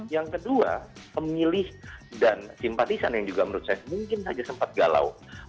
yang kedua pemilih dan simpatisan yang juga menurut saya mungkin saja sempat galau